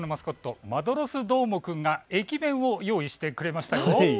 きょうは横浜局のマスコット、マドロスどーもくんが駅弁を用意してくれましたよ。